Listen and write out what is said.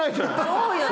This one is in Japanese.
そうよね。